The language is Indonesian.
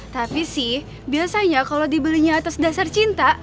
tapi sih biasanya kalau dibelinya atas dasar cinta